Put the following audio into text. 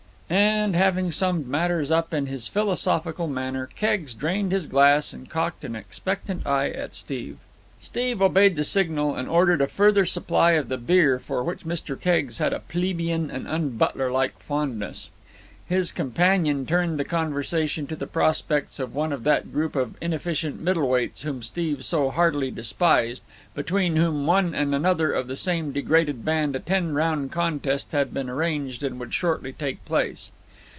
And, having summed matters up in this philosophical manner, Keggs drained his glass and cocked an expectant eye at Steve. Steve obeyed the signal and ordered a further supply of the beer for which Mr. Keggs had a plebian and unbutlerlike fondness. His companion turned the conversation to the prospects of one of that group of inefficient middleweights whom Steve so heartily despised, between whom and another of the same degraded band a ten round contest had been arranged and would shortly take place.